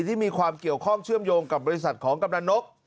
ที่มีความเกี่ยวข้องเชื่อมโยงกับบริษัทของกำลังนก